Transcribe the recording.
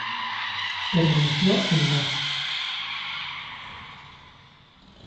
Permaneció en No.